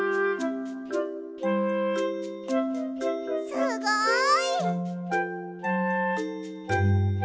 すごい！